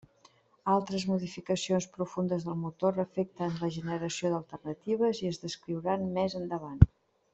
Altres modificacions profundes del motor afecten la generació d'alternatives i es descriuran més endavant.